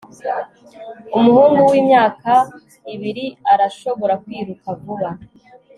Umuhungu wimyaka ibiri arashobora kwiruka vuba